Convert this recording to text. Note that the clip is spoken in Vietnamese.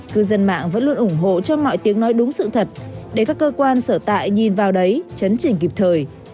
cư dân mạng vẫn luôn ủng hộ cho mọi tiếng nói đúng sự thật để các cơ quan sở tại nhìn vào đấy chấn chỉnh kịp thời